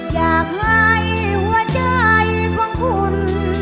อยากให้หัวใจของคุณ